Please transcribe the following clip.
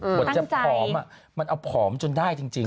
เหมือนจะผอมมันเอาผอมจนได้จริง